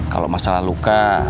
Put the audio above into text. kalau masalah luka